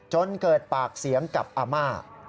จนเกิดปากเสียงกับอาม่า